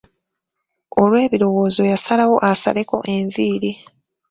Olw'ebirowoozo yasalawo asaleko enviiri.